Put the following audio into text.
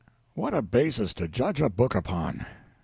What a basis to judge a book upon!